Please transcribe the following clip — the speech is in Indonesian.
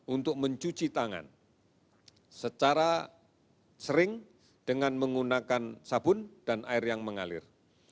untuk mencuci tangan secara sering dengan menggunakan sabun dan air yang mengalir